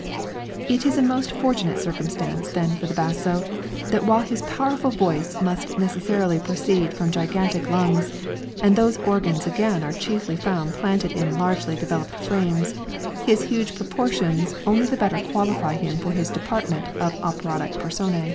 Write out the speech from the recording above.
It is a most fortunate circumstance then for the basso, that while his powerful voice must necessarily proceed from gigantic lungs, and these organs again are chiefly found planted in largely developed frames, his huge proportions only the better qualify him for his department of operatic personæ.